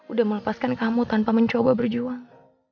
udah melepaskan kamu tanpa mencoba berjuang